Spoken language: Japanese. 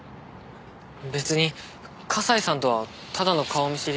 別に笠井さんとはただの顔見知り。